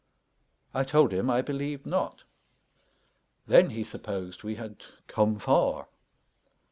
I told him, I believed not. Then, he supposed, we had come far.